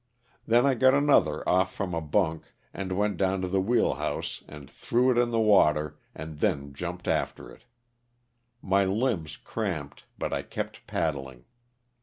Then I got another off from a bunk and went down to the wheelhouse and threw it in the water, and then jumped after it. My limbs cramped, but I kept paddling.